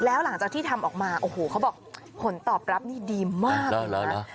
แล้วหลังจากที่ทำออกมาโอ้โหเขาบอกผลตอบรับนี่ดีมาก